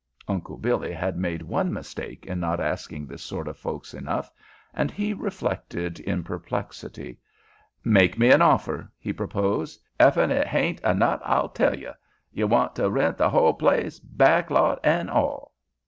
Uncle Billy had made one mistake in not asking this sort of folks enough, and he reflected in perplexity. "Make me a offer," he proposed. "Ef it hain't enough I'll tell ye. You want to rent th' hull place, back lot an' all?"